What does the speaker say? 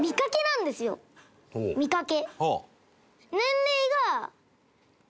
見かけ。